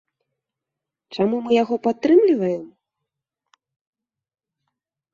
Чаму мы яго падтрымліваем?